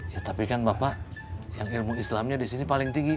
ya tapi kan bapak yang ilmu islamnya di sini paling tinggi